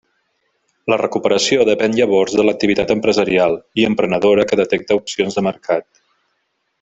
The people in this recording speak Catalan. La recuperació depén llavors de l'activitat empresarial i emprenedora que detecta opcions de mercat.